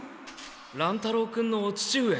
乱太郎君のお父上。